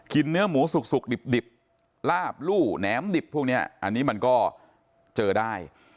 เนื้อหมูสุกดิบลาบลู่แหนมดิบพวกนี้อันนี้มันก็เจอได้